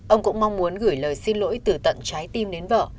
ông cũng mong muốn gửi lời xin lỗi từ tận trái tim đến vợ